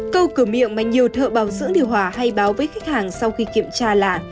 câu cửa miệng mà nhiều thợ bảo dưỡng điều hòa hay báo với khách hàng sau khi kiểm tra là